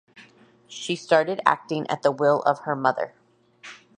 She started acting at the will of her mother.